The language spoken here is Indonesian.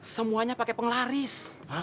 semuanya pakai penglaris